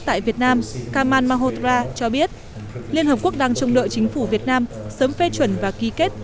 tại việt nam kamal mahotra cho biết liên hợp quốc đang trong đội chính phủ việt nam sớm phê chuẩn và ký kết